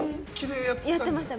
やってました。